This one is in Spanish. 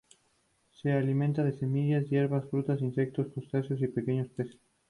Se alimentan de semillas, hierbas, frutas, insectos, crustáceos y pequeños peces.